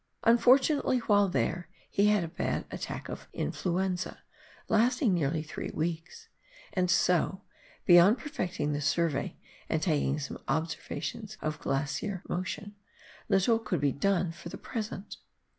Unfor tunately, while there, he had a bad attack of influenza, lasting nearly three weeks, and so, beyond perfecting the survey and taking some observations of glacier motion, little could be done for the present.